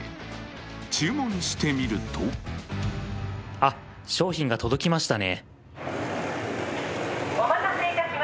注文してみると商品が届きましたね。